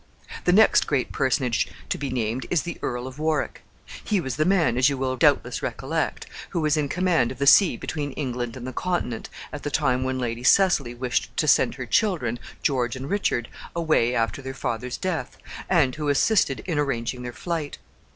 The next great personage to be named is the Earl of Warwick. He was the man, as you will doubtless recollect, who was in command of the sea between England and the Continent at the time when Lady Cecily wished to send her children, George and Richard, away after their father's death, and who assisted in arranging their flight.